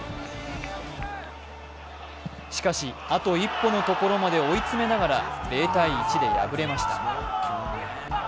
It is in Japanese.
しかし、あと一歩のところまで追い詰めながら０−１で敗れました。